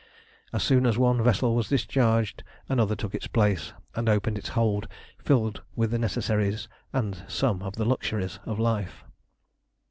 As soon as one vessel was discharged another took its place, and opened its hold filled with the necessaries and some of the luxuries of life.